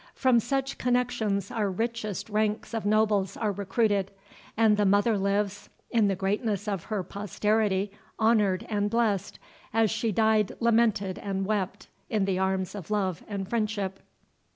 From such connections our richest ranks of nobles are recruited; and the mother lives, in the greatness of her posterity honoured and blest, as she died lamented and wept in the arms of love and friendship."